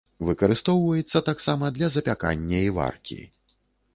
Выкарыстоўваецца таксама для запякання і варкі.